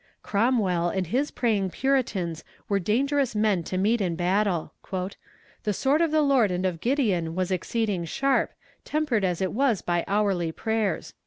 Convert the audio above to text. Cromwell and his praying puritans were dangerous men to meet in battle. "The sword of the Lord and of Gideon was exceeding sharp, tempered as it was by hourly prayers."